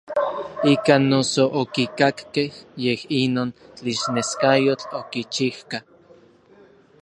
Ikan noso okikakkej yej inon tlixneskayotl okichijka.